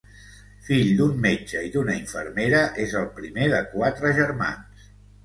Fill d'un metge i d'una infermera és el primer de quatre germans.